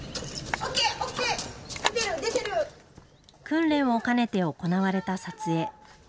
訓練を兼ねて行われた撮影。